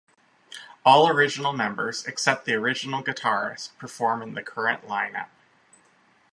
All original members except the original guitarist perform in the current line-up.